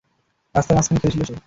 রাস্তার মাঝখানে খেলছিলো সে।